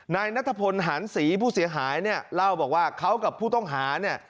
นายนัทพลหารศรีผู้เสียหายเนี่ยเล่าบอกว่าเขากับผู้ต้องหาเนี่ย